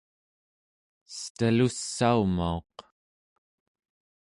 stelussaumauq